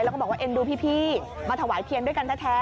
แล้วก็บอกว่าเอ็นดูพี่มาถวายเทียนด้วยกันแท้